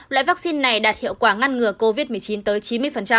loại vaccine này đạt hiệu quả ngăn ngừa covid một mươi chín tới chín mươi